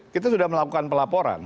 kita sudah melakukan pelaporan